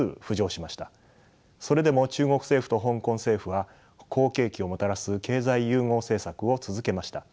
それでも中国政府と香港政府は好景気をもたらす経済融合政策を続けました。